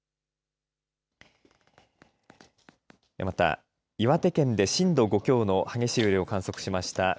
また、岩手県で震度５強の激しい揺れを観測しました